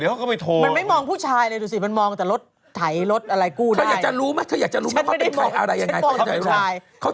เขาขายมาเนี่ย๒๐ปีแล้ว